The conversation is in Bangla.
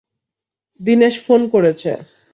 দীনেশ ফোনে করেছে।